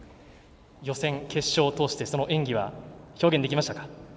予選、決勝通してその演技は表現できましたか。